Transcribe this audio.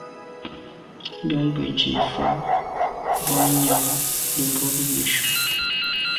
Njon benntùn fa boa nyàm num mbwôg i neshu.